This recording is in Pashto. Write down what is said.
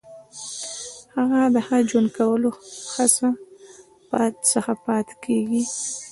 هغه له ښه ژوند کولو څخه پاتې کیږي.